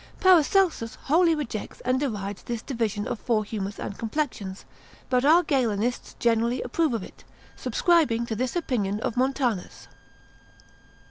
Paracelsus wholly rejects and derides this division of four humours and complexions, but our Galenists generally approve of it, subscribing to this opinion of Montanus.